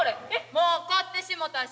もう買ってしもたし。